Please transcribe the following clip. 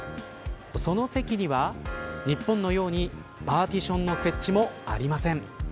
その席には日本のようにパーティションの設置もありません。